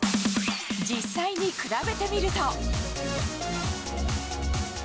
実際に比べてみると。